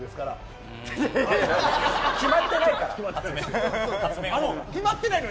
決まってないから。